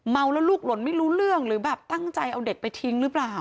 เมาแล้วลูกหล่นไม่รู้เรื่องหรือแบบตั้งใจเอาเด็กไปทิ้งหรือเปล่า